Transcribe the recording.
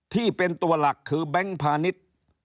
ที่เป็นตัวหลักคือแบงค์พาณิชย์